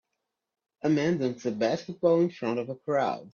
A man dunks a basketball in front of a crowd.